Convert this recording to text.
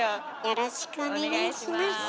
よろしくお願いします。